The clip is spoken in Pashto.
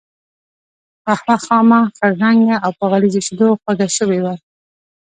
قهوه خامه، خړ رنګه او په غليظو شیدو خوږه شوې وه.